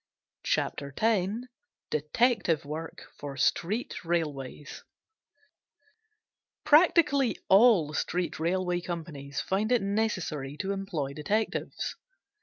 CHAPTER X DETECTIVE WORK FOR STREET RAILWAYS Practically all street railway companies find it necessary to employ detectives.